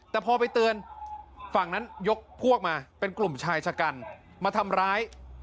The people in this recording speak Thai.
แต่พอไปเตือนฝั่งนั้นยกพวกมาเป็นกลุ่มชายชะกันมาทำร้าย